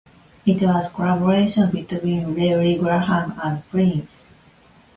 It was a collaboration between Larry Graham and Prince.